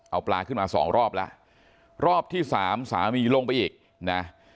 เอาปลาขึ้นมาสองรอบแล้วรอบที่สามสามีลงไปอีกนะ